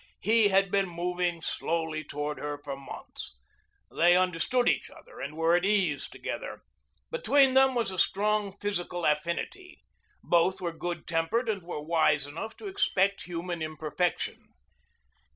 He had been moving slowly toward her for months. They understood each other and were at ease together. Between them was a strong physical affinity. Both were good tempered and were wise enough to expect human imperfection.